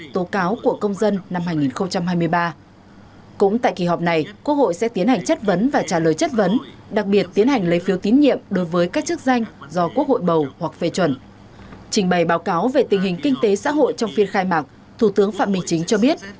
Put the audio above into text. trong báo về tình hình kinh tế xã hội trong phiên khai mạc thủ tướng phạm minh chính cho biết